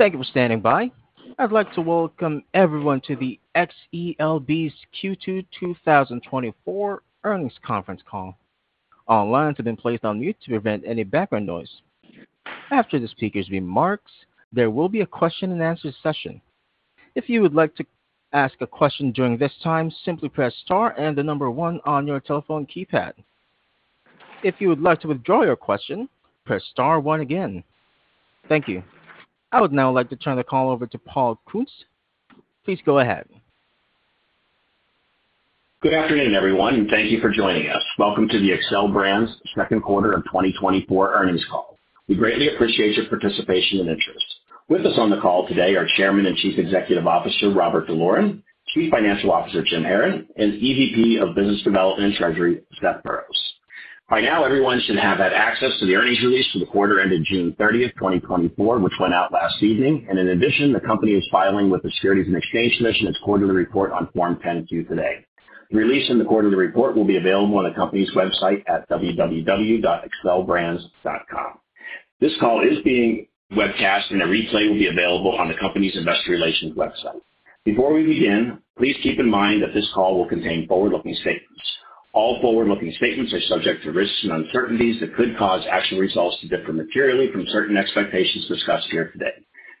Thank you for standing by. I'd like to welcome everyone to the Xcel Brands' Q2 2024 earnings conference call. All lines have been placed on mute to prevent any background noise. After the speaker's remarks, there will be a question-and-answer session. If you would like to ask a question during this time, simply press star and the number one on your telephone keypad. If you would like to withdraw your question, press star one again. Thank you. I would now like to turn the call over to Paul Kuntz. Please go ahead. Good afternoon, everyone, and thank you for joining us. Welcome to the Xcel Brands second quarter of 2024 earnings call. We greatly appreciate your participation and interest. With us on the call today are Chairman and Chief Executive Officer, Robert D'Loren, Chief Financial Officer, James Haran, and EVP of Business Development and Treasury, Seth Burroughs. By now, everyone should have had access to the earnings release for the quarter ended June 30, 2024, which went out last evening, and in addition, the company is filing with the Securities and Exchange Commission its quarterly report on Form 10-Q today. The release in the quarterly report will be available on the company's website at www.xcelbrands.com. This call is being webcast, and a replay will be available on the company's investor relations website. Before we begin, please keep in mind that this call will contain forward-looking statements. All forward-looking statements are subject to risks and uncertainties that could cause actual results to differ materially from certain expectations discussed here today.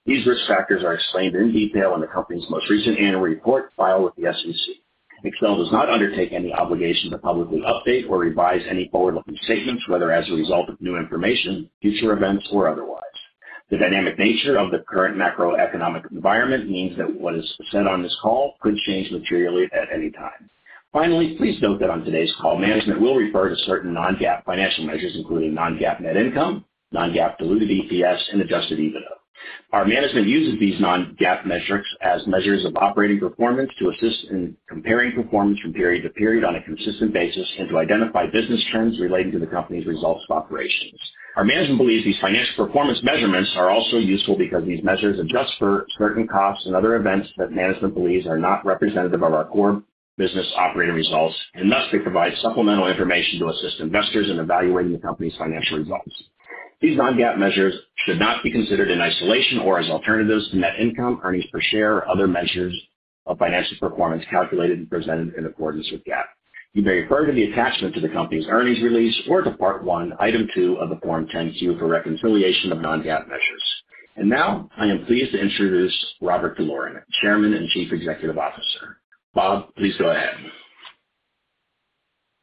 These risk factors are explained in detail in the company's most recent annual report filed with the SEC. Xcel does not undertake any obligation to publicly update or revise any forward-looking statements, whether as a result of new information, future events, or otherwise. The dynamic nature of the current macroeconomic environment means that what is said on this call could change materially at any time. Finally, please note that on today's call, management will refer to certain non-GAAP financial measures, including non-GAAP net income, non-GAAP diluted EPS, and adjusted EBITDA. Our management uses these non-GAAP metrics as measures of operating performance to assist in comparing performance from period to period on a consistent basis and to identify business trends relating to the company's results of operations. Our management believes these financial performance measurements are also useful because these measures adjust for certain costs and other events that management believes are not representative of our core business operating results, and thus they provide supplemental information to assist investors in evaluating the company's financial results. These non-GAAP measures should not be considered in isolation or as alternatives to net income, earnings per share, or other measures of financial performance calculated and presented in accordance with GAAP. You may refer to the attachment to the company's earnings release or to Part One, Item Two of the Form 10-Q for reconciliation of non-GAAP measures. And now, I am pleased to introduce Robert D'Loren, Chairman and Chief Executive Officer. Bob, please go ahead.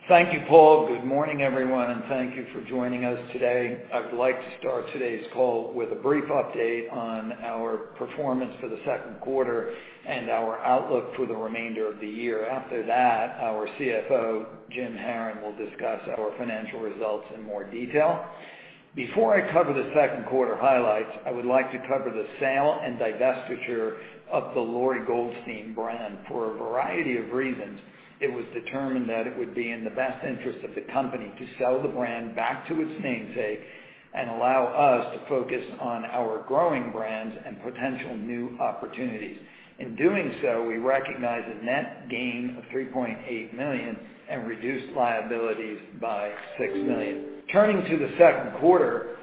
Thank you, Paul. Good morning, everyone, and thank you for joining us today. I'd like to start today's call with a brief update on our performance for the second quarter and our outlook for the remainder of the year. After that, our CFO, James Haran, will discuss our financial results in more detail. Before I cover the second quarter highlights, I would like to cover the sale and divestiture of the Lori Goldstein brand. For a variety of reasons, it was determined that it would be in the best interest of the company to sell the brand back to its namesake and allow us to focus on our growing brands and potential new opportunities. In doing so, we recognize a net gain of $3.8 million and reduced liabilities by $6 million. Turning to the second quarter,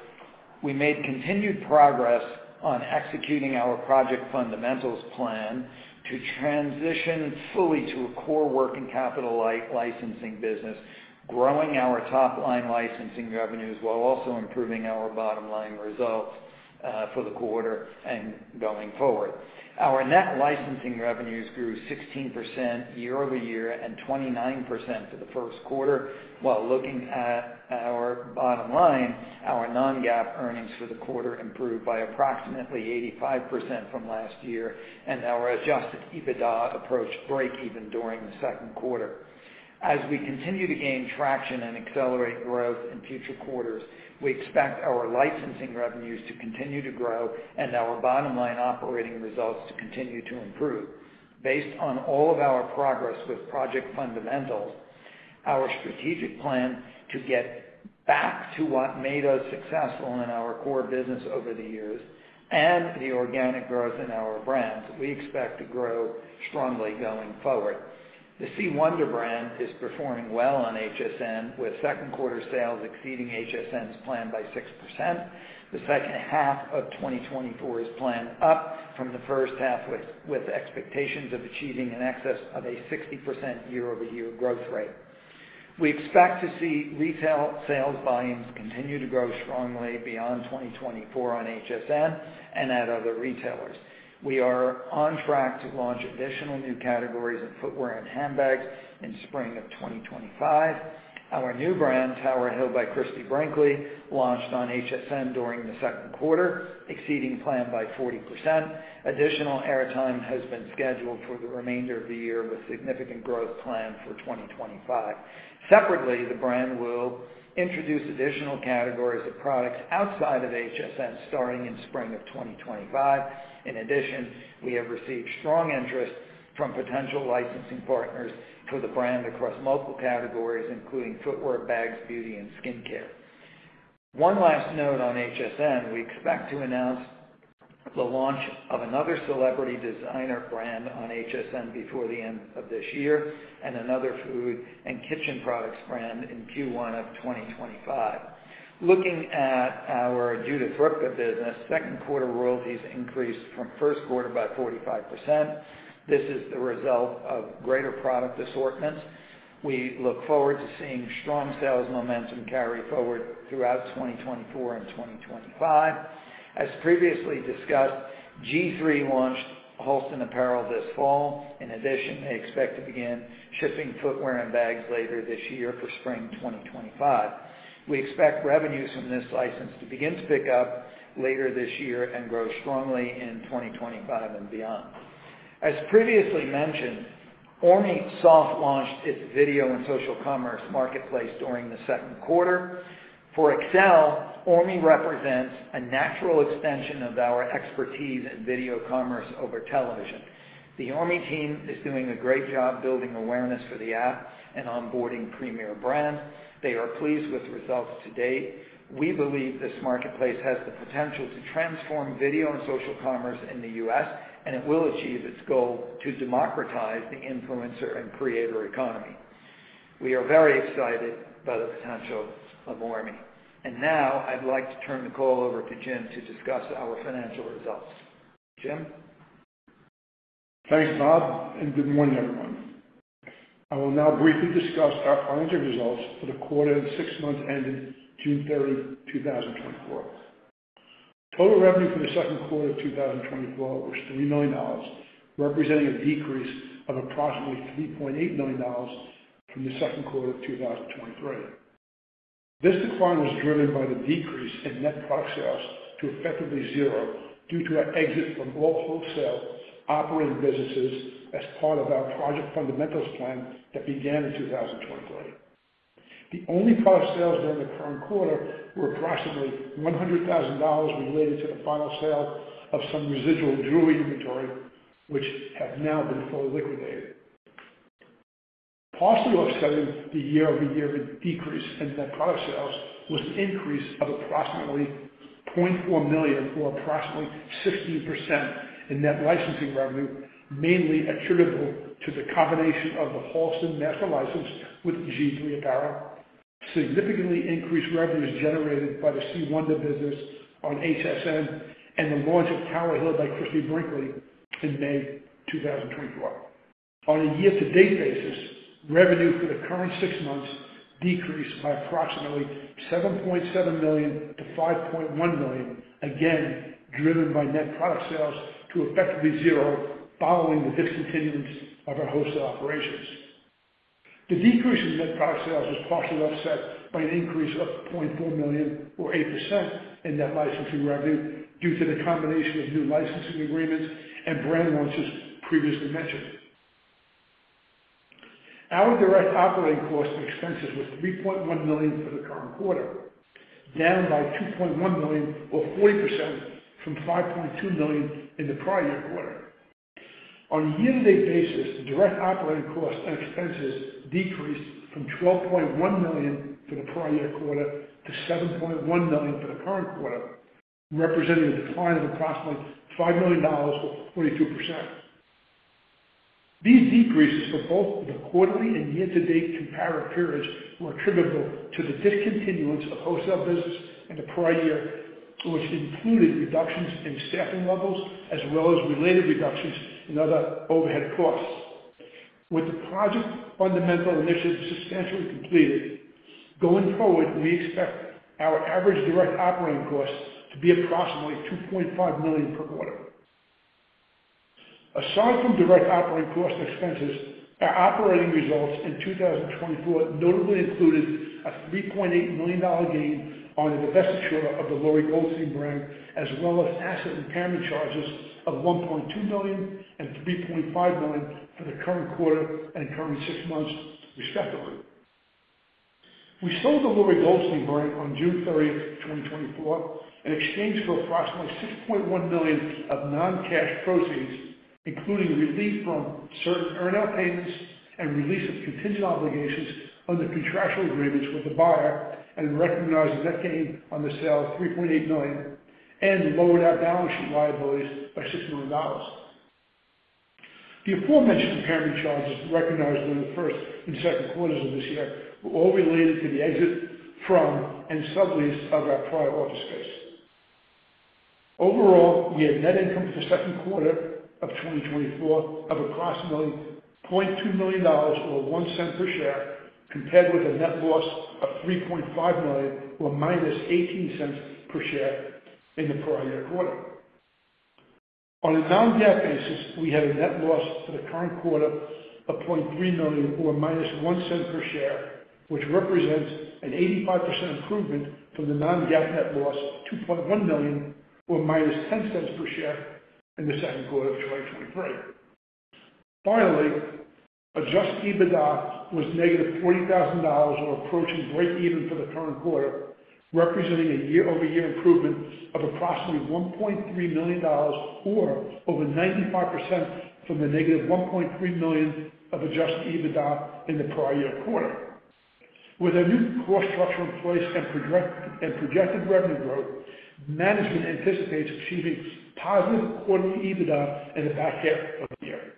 we made continued progress on executing our Project Fundamentals plan to transition fully to a core working capital licensing business, growing our top-line licensing revenues while also improving our bottom-line results for the quarter and going forward. Our net licensing revenues grew 16% year-over-year and 29% for the first quarter, while looking at our bottom line, our non-GAAP earnings for the quarter improved by approximately 85% from last year, and our Adjusted EBITDA approached breakeven during the second quarter. As we continue to gain traction and accelerate growth in future quarters, we expect our licensing revenues to continue to grow and our bottom-line operating results to continue to improve. Based on all of our progress with Project Fundamentals, our strategic plan to get back to what made us successful in our core business over the years and the organic growth in our brands, we expect to grow strongly going forward. The C. Wonder brand is performing well on HSN, with second quarter sales exceeding HSN's plan by 6%. The second half of 2024 is planned up from the first half, with expectations of achieving in excess of a 60% year-over-year growth rate. We expect to see retail sales volumes continue to grow strongly beyond 2024 on HSN and at other retailers. We are on track to launch additional new categories of footwear and handbags in spring of 2025. Our new brand, Tower Hill by Christie Brinkley, launched on HSN during the second quarter, exceeding plan by 40%. Additional airtime has been scheduled for the remainder of the year, with significant growth planned for 2025. Separately, the brand will introduce additional categories of products outside of HSN starting in spring of 2025. In addition, we have received strong interest from potential licensing partners for the brand across multiple categories, including footwear, bags, beauty, and skincare. One last note on HSN: We expect to announce the launch of another celebrity designer brand on HSN before the end of this year, and another food and kitchen products brand in Q1 of 2025. Looking at our Judith Ripka business, second quarter royalties increased from first quarter by 45%. This is the result of greater product assortments. We look forward to seeing strong sales momentum carry forward throughout 2024 and 2025. As previously discussed, G-III launched Halston apparel this fall. In addition, they expect to begin shipping footwear and bags later this year for spring 2025. We expect revenues from this license to begin to pick up later this year and grow strongly in 2025 and beyond. As previously mentioned, ORME soft launched its video and social commerce marketplace during the second quarter. For Xcel, ORME represents a natural extension of our expertise in video commerce over television. The ORME team is doing a great job building awareness for the app and onboarding premier brands. They are pleased with the results to date. We believe this marketplace has the potential to transform video and social commerce in the U.S., and it will achieve its goal to democratize the influencer and creator economy. We are very excited about the potential of ORME. Now I'd like to turn the call over to James to discuss our financial results. James? Thanks, Bob, and good morning, everyone. I will now briefly discuss our financial results for the quarter and six months ended June 30, 2024. Total revenue for the second quarter of 2024 was $3 million, representing a decrease of approximately $3.8 million from the second quarter of 2023. This decline was driven by the decrease in net product sales to effectively zero due to our exit from all wholesale operating businesses as part of our Project Fundamentals plan that began in 2023. The only product sales during the current quarter were approximately $100,000 related to the final sale of some residual jewelry inventory, which have now been fully liquidated. Partially offsetting the year-over-year decrease in net product sales was an increase of approximately $0.4 million, or approximately 16%, in net licensing revenue, mainly attributable to the combination of the Halston master license with G-III Apparel, significantly increased revenues generated by the C. Wonder business on HSN, and the launch of Tower Hill by Christie Brinkley in May 2024. On a year-to-date basis, revenue for the current six months decreased by approximately $7.7 million to $5.1 million, again, driven by net product sales to effectively zero following the discontinuance of our wholesale operations. The decrease in net product sales was partially offset by an increase of $0.4 million, or 8%, in net licensing revenue due to the combination of new licensing agreements and brand launches previously mentioned. Our direct operating costs and expenses were $3.1 million for the current quarter, down by $2.1 million, or 40%, from $5.2 million in the prior year quarter. On a year-to-date basis, direct operating costs and expenses decreased from $12.1 million for the prior year quarter to $7.1 million for the current quarter, representing a decline of approximately $5 million, or 42%. These decreases for both the quarterly and year-to-date compare periods were attributable to the discontinuance of wholesale business in the prior year, which included reductions in staffing levels as well as related reductions in other overhead costs. With the Project Fundamentals initiative substantially completed, going forward, we expect our average direct operating costs to be approximately $2.5 million per quarter. Aside from direct operating costs and expenses, our operating results in 2024 notably included a $3.8 million gain on the divestiture of the Lori Goldstein brand, as well as asset impairment charges of $1.2 million and $3.5 million for the current quarter and current six months, respectively. We sold the Lori Goldstein brand on June 30, 2024, in exchange for approximately $6.1 million of non-cash proceeds, including relief from certain earnout payments and release of contingent obligations under contractual agreements with the buyer, and recognized a net gain on the sale of $3.8 million and lowered our balance sheet liabilities by $6 million. The aforementioned impairment charges recognized during the first and second quarters of this year were all related to the exit from and sublease of our prior office space. Overall, we had net income for the second quarter of 2024 of approximately $0.2 million, or $0.01 per share, compared with a net loss of $3.5 million, or -$0.18 per share, in the prior-year quarter. On a non-GAAP basis, we had a net loss for the current quarter of $0.3 million, or -$0.01 per share, which represents an 85% improvement from the non-GAAP net loss of $2.1 million, or -$0.10 per share, in the second quarter of 2023. Finally, adjusted EBITDA was -$40,000, or approaching breakeven for the current quarter, representing a year-over-year improvement of approximately $1.3 million, or over 95% from the -$1.3 million of adjusted EBITDA in the prior-year quarter.... With our new core structure in place and project, and projected revenue growth, management anticipates achieving positive quarterly EBITDA in the back half of the year.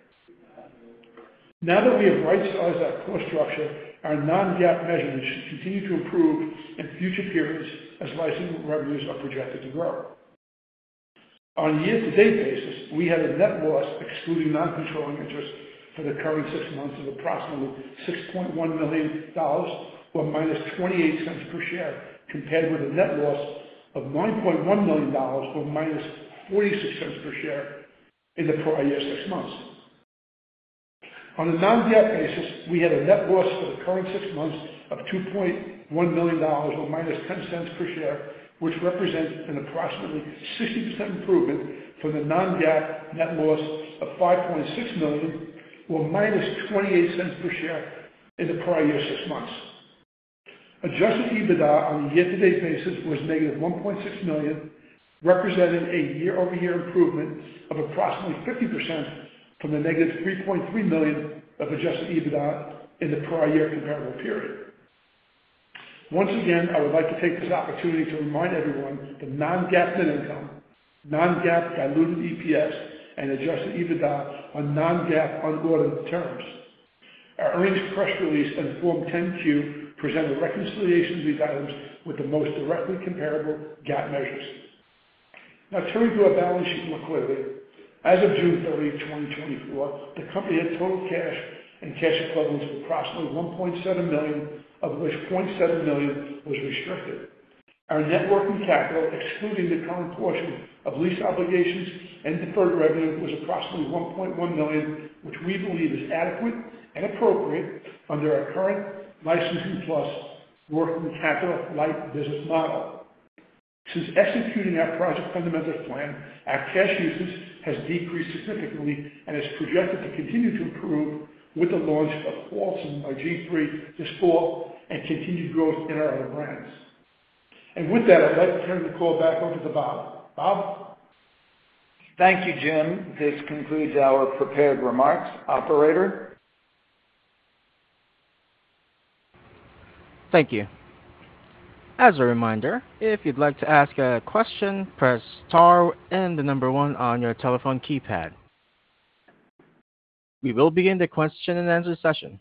Now that we have right-sized our core structure, our non-GAAP measures should continue to improve in future periods as licensing revenues are projected to grow. On a year-to-date basis, we had a net loss excluding non-controlling interest for the current six months of approximately $6.1 million or -$0.28 per share, compared with a net loss of $9.1 million or -$0.46 per share in the prior year six months. On a non-GAAP basis, we had a net loss for the current six months of $2.1 million, or -10 cents per share, which represents an approximately 60% improvement from the non-GAAP net loss of $5.6 million, or -28 cents per share in the prior year six months. Adjusted EBITDA on a year-to-date basis was -$1.6 million, representing a year-over-year improvement of approximately 50% from the -$3.3 million of adjusted EBITDA in the prior year comparable period. Once again, I would like to take this opportunity to remind everyone that non-GAAP net income, non-GAAP diluted EPS and adjusted EBITDA are non-GAAP unaudited terms. Our earnings press release and Form 10-Q present a reconciliation of these items with the most directly comparable GAAP measures. Now turning to our balance sheet more clearly. As of June 30, 2024, the company had total cash and cash equivalents of approximately $1.7 million, of which $0.7 million was restricted. Our net working capital, excluding the current portion of lease obligations and deferred revenue, was approximately $1.1 million, which we believe is adequate and appropriate under our current licensing plus working capital light business model. Since executing our Project Fundamentals plan, our cash usage has decreased significantly and is projected to continue to improve with the launch of Halston by G-III this fall and continued growth in our other brands. And with that, I'd like to turn the call back over to Bob. Bob? Thank you, James. This concludes our prepared remarks. Operator? Thank you. As a reminder, if you'd like to ask a question, press star and the number one on your telephone keypad. We will begin the question-and-answer session.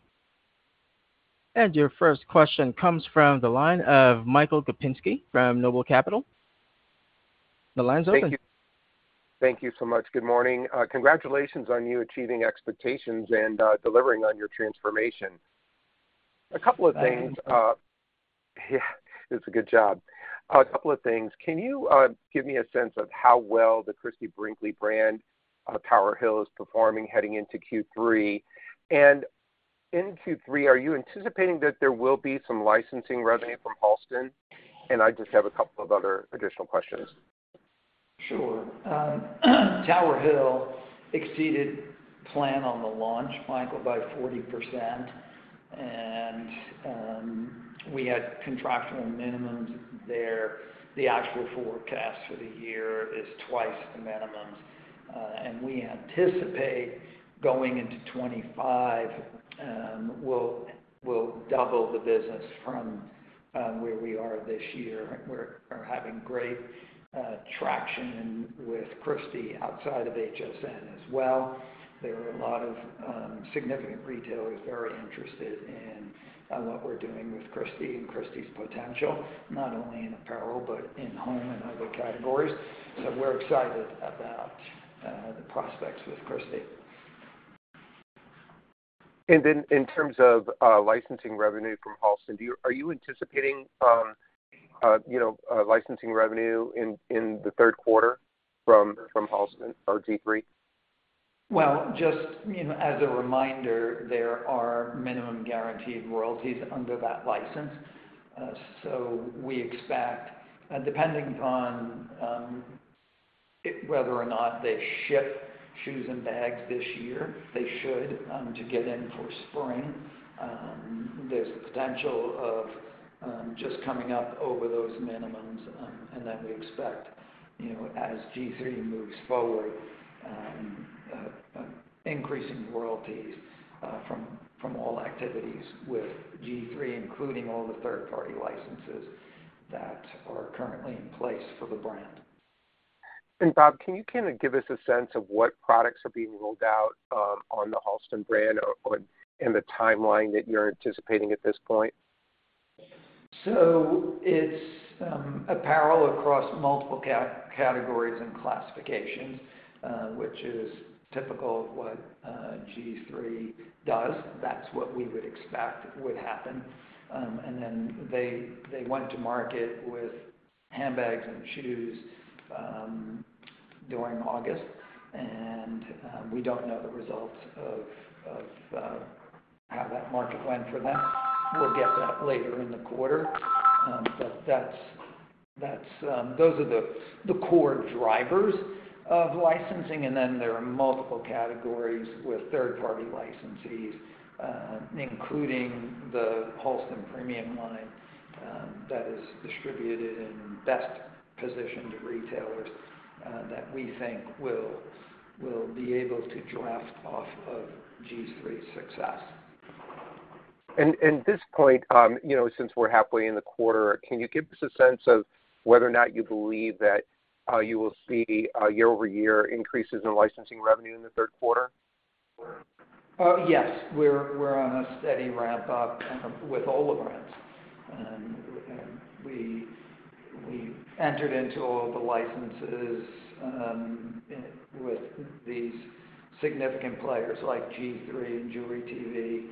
And your first question comes from the line of Michael Kupinski from Noble Capital Markets. The line's open. Thank you. Thank you so much. Good morning. Congratulations on you achieving expectations and, delivering on your transformation. A couple of things... It's a good job. A couple of things. Can you give me a sense of how well the Christie Brinkley brand, Tower Hill, is performing heading into Q3? And in Q3, are you anticipating that there will be some licensing revenue from Halston? And I just have a couple of other additional questions. Sure. Tower Hill exceeded plan on the launch, Michael, by 40%, and we had contractual minimums there. The actual forecast for the year is twice the minimums. And we anticipate going into 2025, we'll, we'll double the business from where we are this year. We're, we're having great traction with Christie outside of HSN as well. There are a lot of significant retailers very interested in what we're doing with Christie and Christie's potential, not only in apparel but in home and other categories. So we're excited about the prospects with Christie. And then in terms of licensing revenue from Halston, are you anticipating, you know, licensing revenue in the third quarter from Halston or G-III? Well, just, you know, as a reminder, there are minimum guaranteed royalties under that license. So we expect, depending on whether or not they ship shoes and bags this year, they should to get in for spring. There's a potential of just coming up over those minimums, and then we expect, you know, as G-III moves forward, increasing royalties from all activities with G-III, including all the third-party licenses that are currently in place for the brand. Bob, can you kind of give us a sense of what products are being rolled out on the Halston brand or and the timeline that you're anticipating at this point? So it's apparel across multiple categories and classifications, which is typical of what G-III does. That's what we would expect would happen. And then they went to market with handbags and shoes during August, and we don't know the results of how that market went for them. We'll get that later in the quarter. But that's... Those are the core drivers of licensing, and then there are multiple categories with third-party licensees, including the Halston premium line... that is distributed and best positioned to retailers that we think will be able to draft off of G-III's success. At this point, you know, since we're halfway in the quarter, can you give us a sense of whether or not you believe that you will see year-over-year increases in licensing revenue in the third quarter? Yes. We're on a steady ramp up with all the brands. And we entered into all the licenses with these significant players like G-III and Jewelry TV,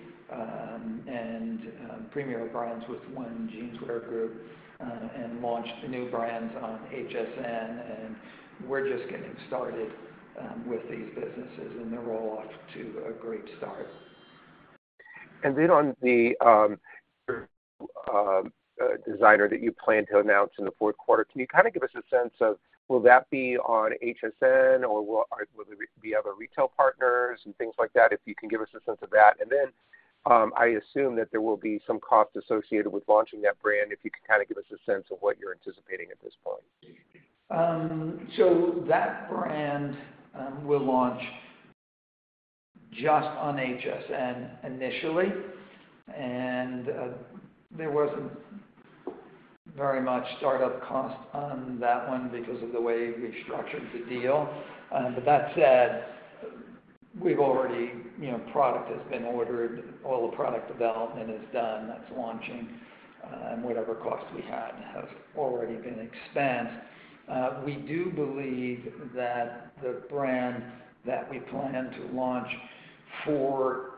and premier brands with One Jeanswear Group, and launched the new brands on HSN, and we're just getting started with these businesses, and they're all off to a great start. And then on the designer that you plan to announce in the fourth quarter, can you kind of give us a sense of will that be on HSN, or will it be other retail partners and things like that? If you can give us a sense of that. And then, I assume that there will be some costs associated with launching that brand. If you could kind of give us a sense of what you're anticipating at this point. So that brand will launch just on HSN initially, and there wasn't very much startup cost on that one because of the way we structured the deal. But that said, we've already. You know, product has been ordered, all the product development is done, that's launching, and whatever costs we had have already been spent. We do believe that the brand that we plan to launch for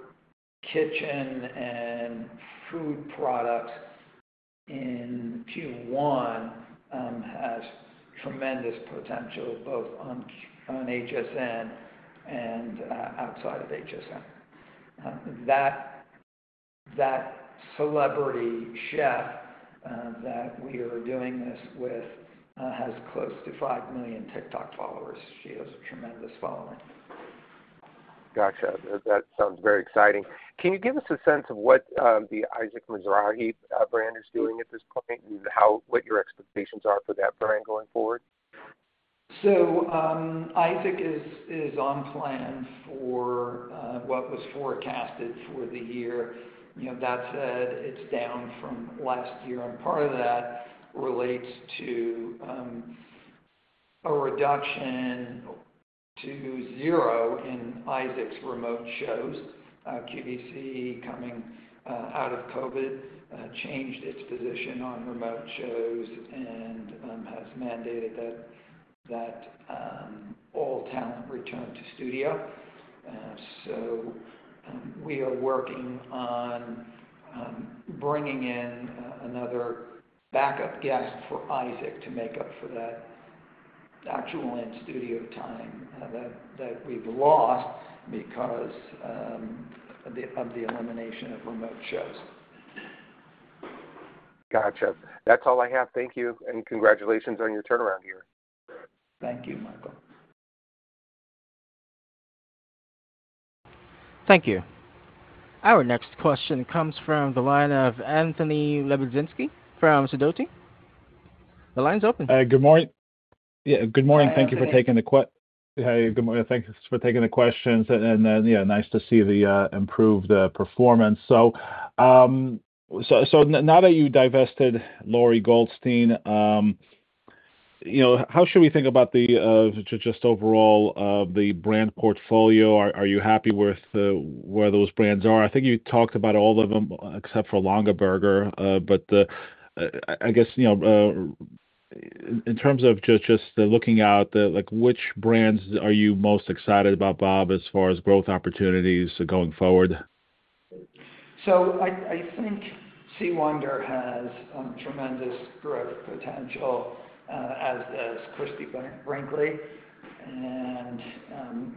kitchen and food products in Q1 has tremendous potential, both on HSN and outside of HSN. That celebrity chef that we are doing this with has close to 5 million TikTok followers. She has a tremendous following. Gotcha. That sounds very exciting. Can you give us a sense of what the Isaac Mizrahi brand is doing at this point? And what your expectations are for that brand going forward? So, Isaac is on plan for what was forecasted for the year. You know, that said, it's down from last year, and part of that relates to a reduction to zero in Isaac's remote shows. QVC, coming out of COVID, changed its position on remote shows and has mandated that all talent return to studio. So, we are working on bringing in another backup guest for Isaac to make up for that actual in-studio time that we've lost because of the elimination of remote shows. Gotcha. That's all I have. Thank you, and congratulations on your turnaround year. Thank you, Michael. Thank you. Our next question comes from the line of Anthony Lebiedzinski from Sidoti. The line's open. Good morning. Yeah, good morning. Go ahead. Thank you for taking the questions. Hey, good morning. Thank you for taking the questions, and then, yeah, nice to see the improved performance. So, now that you divested Lori Goldstein, you know, how should we think about the just overall the brand portfolio? Are you happy with where those brands are? I think you talked about all of them, except for Longaberger. But I guess, you know, in terms of just the looking out, the... Like, which brands are you most excited about, Bob, as far as growth opportunities going forward? So I think C. Wonder has tremendous growth potential, as does Christie Brinkley. And,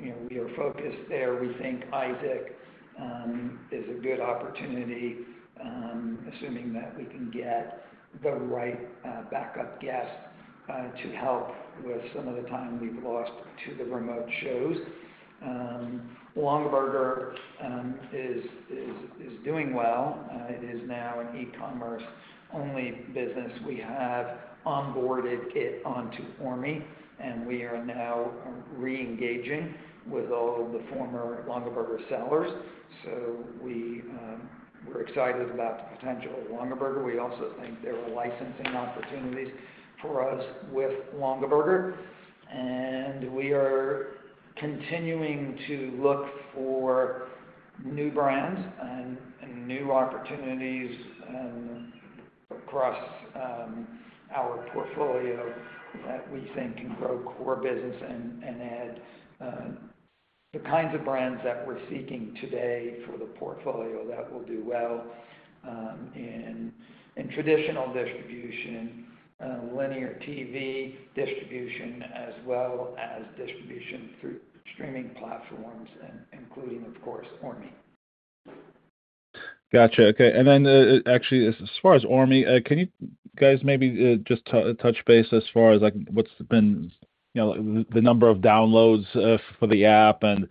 you know, we are focused there. We think Isaac is a good opportunity, assuming that we can get the right backup guest to help with some of the time we've lost to the remote shows. Longaberger is doing well. It is now an e-commerce-only business. We have onboarded it onto ORME, and we are now reengaging with all the former Longaberger sellers. So we're excited about the potential of Longaberger. We also think there are licensing opportunities for us with Longaberger, and we are continuing to look for new brands and new opportunities across our portfolio that we think can grow core business and add the kinds of brands that we're seeking today for the portfolio that will do well in traditional distribution, linear TV distribution, as well as distribution through streaming platforms, and including, of course, ORME. Gotcha. Okay, and then, actually, as far as ORME, can you guys, maybe, just to touch base as far as, like, what's been, you know, the number of downloads for the app, and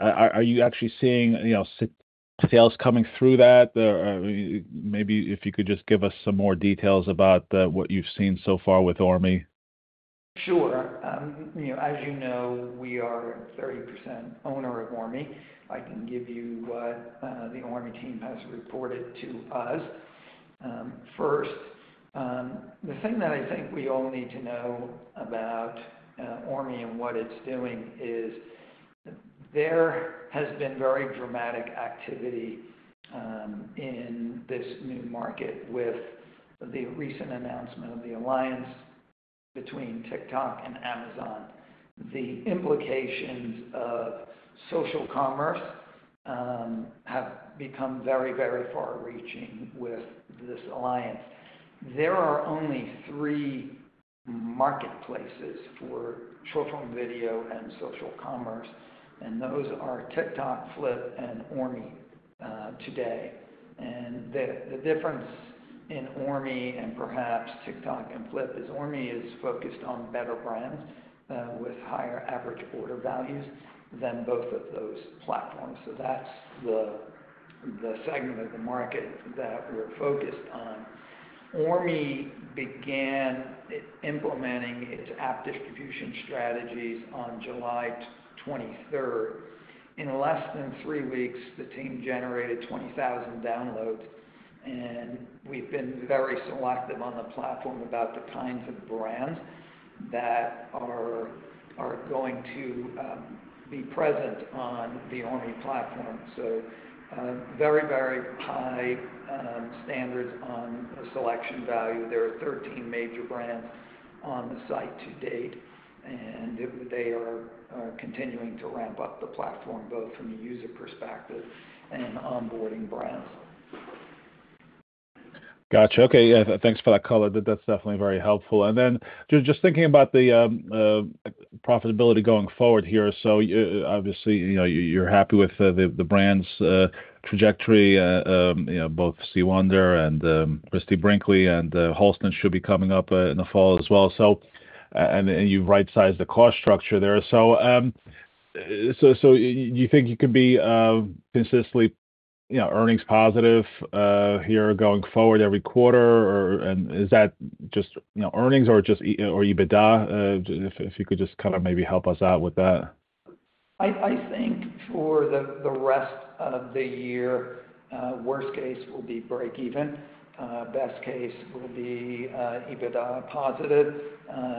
are you actually seeing, you know, sales coming through that? Maybe if you could just give us some more details about what you've seen so far with ORME. Sure. You know, as you know, we are a 30% owner of ORME. I can give you what the ORME team has reported to us. First, the thing that I think we all need to know about ORME and what it's doing is there has been very dramatic activity in this new market with the recent announcement of the alliance between TikTok and Amazon. The implications of social commerce have become very, very far-reaching with this alliance. There are only three marketplaces for short-form video and social commerce, and those are TikTok, Flip, and ORME today. And the difference in ORME and perhaps TikTok and Flip is ORME is focused on better brands with higher average order values than both of those platforms. So that's the segment of the market that we're focused on. ORME began implementing its app distribution strategies on July 23rd. In less than three weeks, the team generated 20,000 downloads, and we've been very selective on the platform about the kinds of brands that are going to be present on the ORME platform. So, very, very high standards on the selection value. There are 13 major brands on the site to date, and they are continuing to ramp up the platform, both from a user perspective and onboarding brands. Gotcha. Okay, yeah, thanks for that color. That's definitely very helpful. And then just thinking about the profitability going forward here. So obviously, you know, you're happy with the brands' trajectory, you know, both C. Wonder and Christie Brinkley, and Halston should be coming up in the fall as well. So and you've right-sized the cost structure there. So you think you can be consistently, you know, earnings positive here, going forward every quarter? Or, and is that just, you know, earnings or just, or EBITDA? If you could just kind of maybe help us out with that. I think for the rest of the year, worst case will be break even. Best case will be EBITDA positive,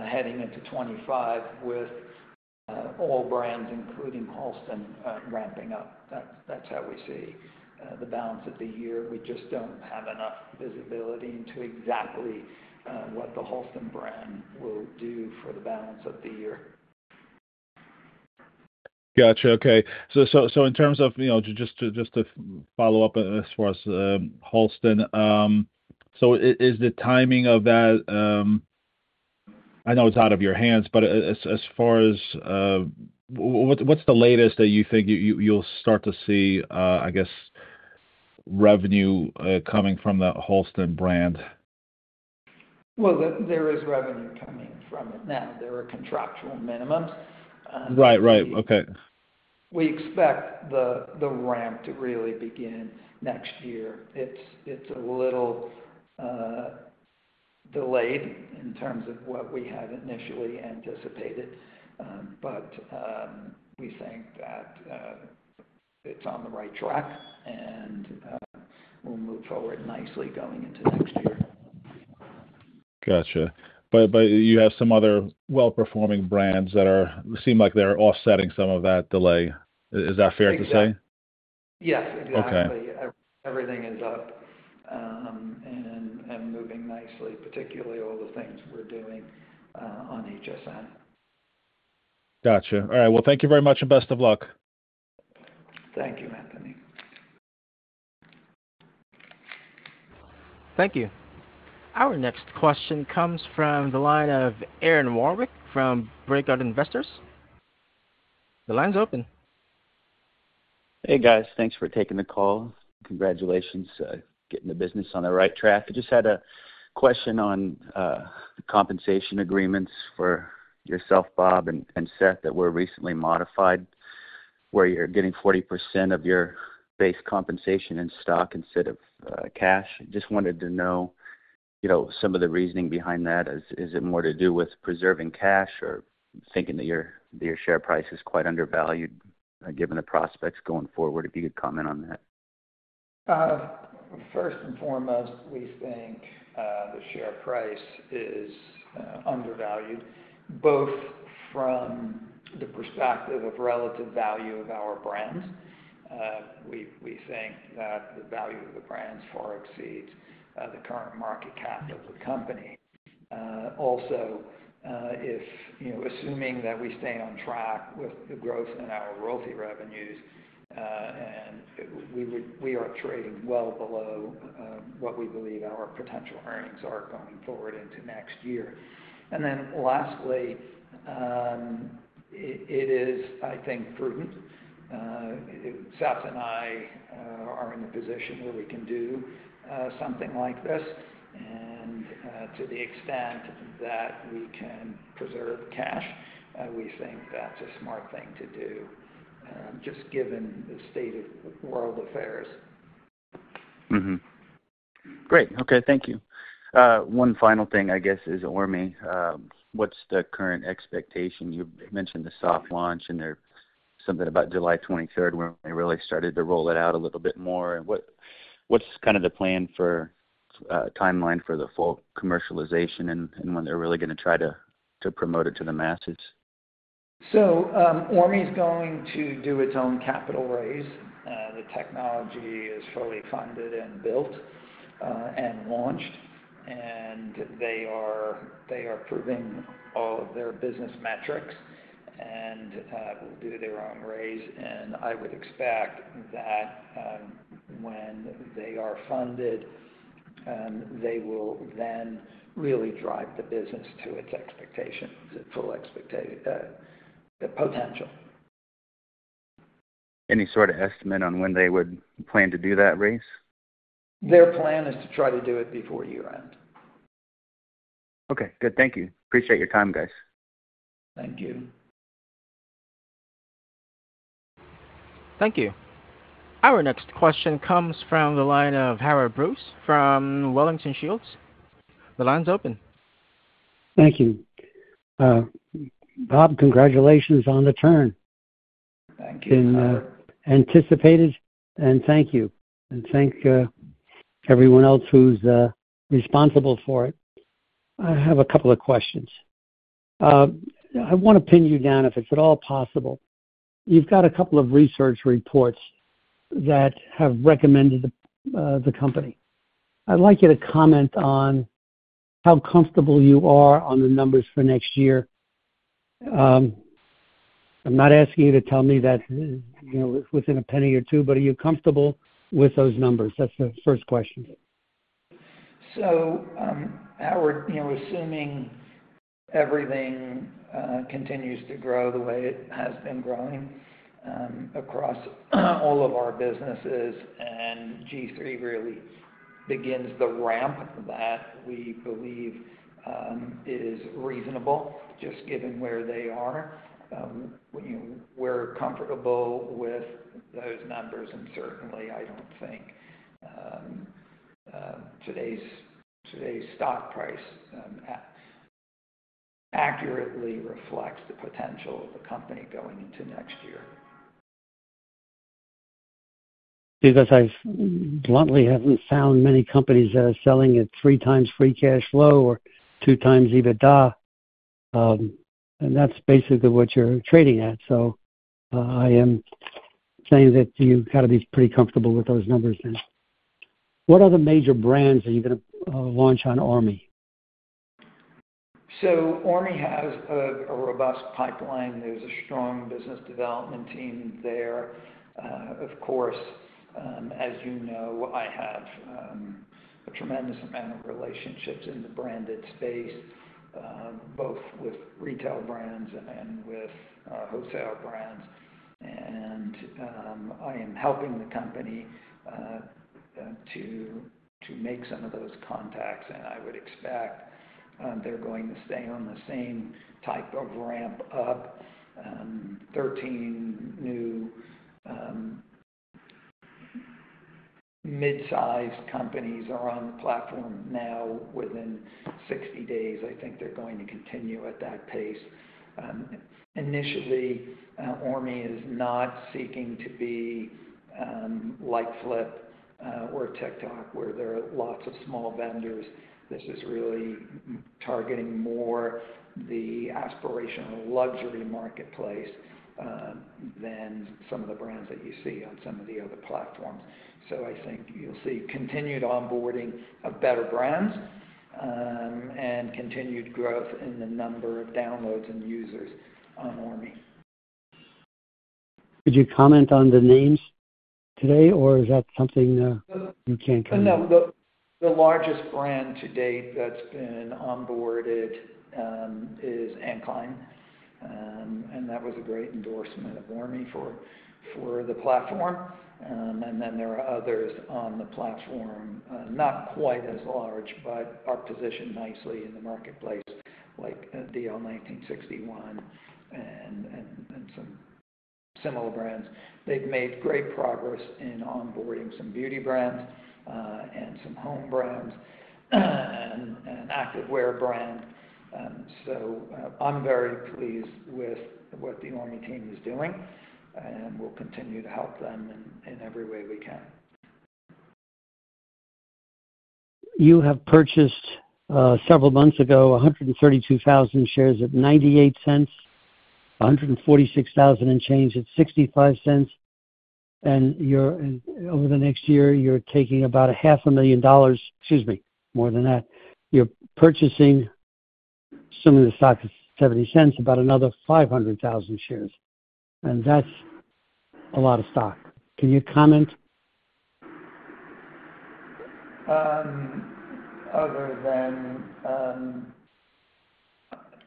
heading into 2025 with all brands, including Halston, ramping up. That's how we see the balance of the year. We just don't have enough visibility into exactly what the Halston brand will do for the balance of the year. Gotcha. Okay. So in terms of, you know, just to follow up as far as Halston, so is the timing of that? I know it's out of your hands, but as far as what's the latest that you think you'll start to see, I guess, revenue coming from the Halston brand? Well, there is revenue coming from it now. There are contractual minimums, Right. Right. Okay. We expect the ramp to really begin next year. It's a little delayed in terms of what we had initially anticipated, but we think that it's on the right track, and we'll move forward nicely going into next year. Gotcha. But you have some other well-performing brands that are- Yeah. seem like they're offsetting some of that delay. Is that fair to say? Exactly. Yes, exactly. Okay. Everything is up and moving nicely, particularly all the things we're doing on HSN. Gotcha. All right. Well, thank you very much, and best of luck. Thank you, Anthony. Thank you. Our next question comes from the line of Aaron Warwick from Breakout Investors. The line's open. Hey, guys. Thanks for taking the call. Congratulations getting the business on the right track. I just had a question on compensation agreements for yourself, Bob and Seth, that were recently modified, where you're getting 40% of your base compensation in stock instead of cash. Just wanted to know, you know, some of the reasoning behind that. Is it more to do with preserving cash or thinking that your share price is quite undervalued given the prospects going forward? If you could comment on that. First and foremost, we think the share price is undervalued, both from the perspective of relative value of our brands. We think that the value of the brands far exceeds the current market cap of the company. Also, if you know, assuming that we stay on track with the growth in our royalty revenues, and we are trading well below what we believe our potential earnings are going forward into next year. And then lastly, it is, I think, prudent, Seth and I are in a position where we can do something like this. And to the extent that we can preserve cash, we think that's a smart thing to do, just given the state of world affairs. Mm-hmm. Great. Okay, thank you. One final thing, I guess, is ORME. What's the current expectation? You've mentioned the soft launch, and there's something about July twenty-third, when they really started to roll it out a little bit more. And what's kind of the plan for timeline for the full commercialization and when they're really gonna try to promote it to the masses? So, ORME is going to do its own capital raise. The technology is fully funded and built, and launched, and they are proving all of their business metrics and will do their own raise. And I would expect that, when they are funded, they will then really drive the business to its expectations, its full potential. Any sort of estimate on when they would plan to do that raise? Their plan is to try to do it before year-end. Okay, good. Thank you. Appreciate your time, guys. Thank you. Thank you. Our next question comes from the line of Howard Brous, from Wellington Shields. The line's open. Thank you. Bob, congratulations on the turn. Thank you, Howard. Anticipated, and thank you. Thank everyone else who's responsible for it. I have a couple of questions. I wanna pin you down, if it's at all possible. You've got a couple of research reports that have recommended the company. I'd like you to comment on how comfortable you are on the numbers for next year. I'm not asking you to tell me that, you know, within a penny or two, but are you comfortable with those numbers? That's the first question. So, Howard, you know, assuming everything continues to grow the way it has been growing across all of our businesses, and G-III really begins the ramp that we believe is reasonable, just given where they are. We're comfortable with those numbers, and certainly, I don't think today's stock price accurately reflects the potential of the company going into next year. Because I bluntly haven't found many companies that are selling at 3x free cash flow or 2x EBITDA, and that's basically what you're trading at. So I am saying that you've got to be pretty comfortable with those numbers then. What other major brands are you gonna launch on Orme? So ORME has a robust pipeline. There's a strong business development team there. Of course, as you know, I have a tremendous amount of relationships in the branded space, both with retail brands and with wholesale brands. And I am helping the company to make some of those contacts, and I would expect they're going to stay on the same type of ramp up. 13 new mid-sized companies are on the platform now within 60 days. I think they're going to continue at that pace. Initially, ORME is not seeking to be like Flip or TikTok, where there are lots of small vendors. This is really targeting more the aspirational luxury marketplace than some of the brands that you see on some of the other platforms. So I think you'll see continued onboarding of better brands, and continued growth in the number of downloads and users on ORME. Could you comment on the names today, or is that something you can't comment on? No, the largest brand to date that's been onboarded is Anne Klein. And that was a great endorsement of ORME for the platform. And then there are others on the platform, not quite as large, but are positioned nicely in the marketplace, like DL1961 and some similar brands. They've made great progress in onboarding some beauty brands and some home brands, and activewear brand. So I'm very pleased with what the ORME team is doing, and we'll continue to help them in every way we can. You have purchased several months ago, 132,000 shares at $0.98, 146,000 and change at $0.65. And over the next year, you're taking about $500,000. Excuse me, more than that. You're purchasing some of the stock at $0.70, about another 500,000 shares, and that's a lot of stock. Can you comment? Other than,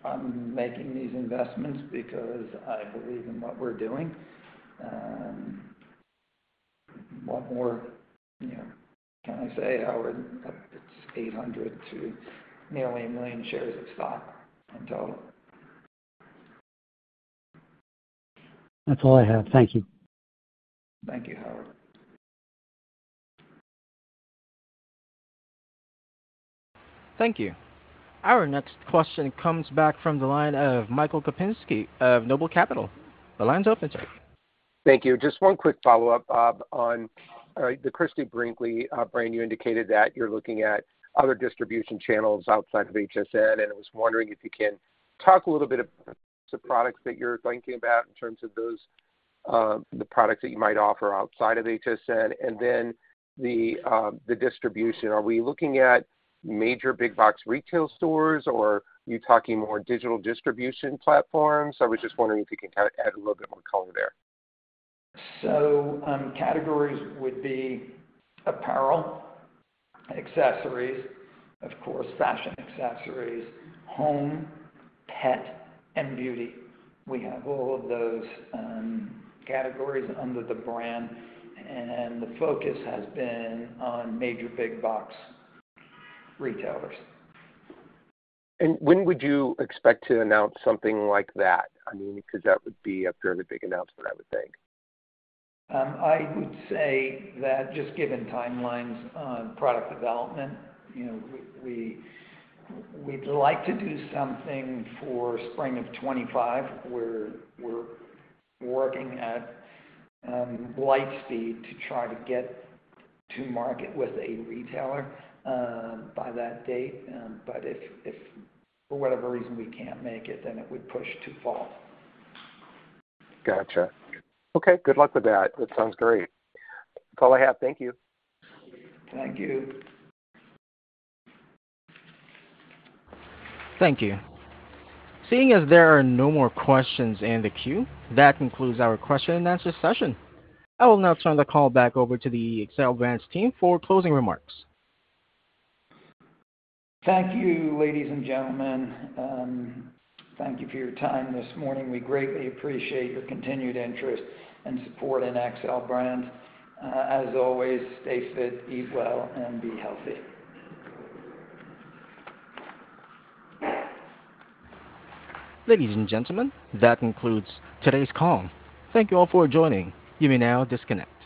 I'm making these investments because I believe in what we're doing, what more, you know, can I say, Howard? It's 800 to nearly 1,000,000 shares of stock in total. That's all I have. Thank you. Thank you, Howard. Thank you. Our next question comes back from the line of Michael Kupinski of Noble Capital Markets. The line's open, sir. Thank you. Just one quick follow-up, Bob, on the Christie Brinkley brand. You indicated that you're looking at other distribution channels outside of HSN, and I was wondering if you can talk a little bit about the products that you're thinking about in terms of those, the products that you might offer outside of HSN, and then the, the distribution. Are we looking at major big box retail stores, or are you talking more digital distribution platforms? I was just wondering if you could kind of add a little bit more color there. Categories would be apparel, accessories, of course, fashion accessories, home, pet, and beauty. We have all of those, categories under the brand, and the focus has been on major big box retailers. When would you expect to announce something like that? I mean, because that would be a fairly big announcement, I would think. I would say that just given timelines on product development, you know, we'd like to do something for spring of 2025, where we're working at light speed to try to get to market with a retailer by that date. But if for whatever reason, we can't make it, then it would push to fall. Gotcha. Okay, good luck with that. That sounds great. That's all I have. Thank you. Thank you. Thank you. Seeing as there are no more questions in the queue, that concludes our question and answer session. I will now turn the call back over to the Xcel Brands team for closing remarks. Thank you, ladies and gentlemen. Thank you for your time this morning. We greatly appreciate your continued interest and support in Xcel Brands. As always, stay fit, eat well, and be healthy. Ladies and gentlemen, that concludes today's call. Thank you all for joining. You may now disconnect.